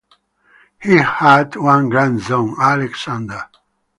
He had one grandson, Alexander.